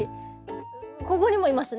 ここにもいますね。